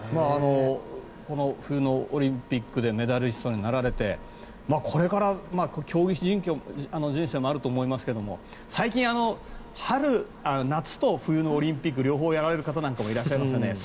この冬のオリンピックでメダリストになられてこれからの競技人生もあると思いますが最近、夏と冬のオリンピック両方やられる方もいらっしゃいますよね。